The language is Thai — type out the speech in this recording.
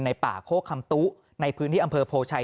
ป่าโคกคำตุในพื้นที่อำเภอโพชัย